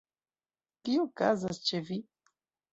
Kio okazas ĉe vi?